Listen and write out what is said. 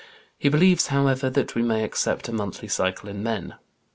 He believes, however, that we may accept a monthly cycle in men.